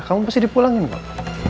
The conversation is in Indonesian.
kamu pasti dipulangin bapak